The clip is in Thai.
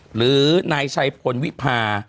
หรือนายชัยพลวิพา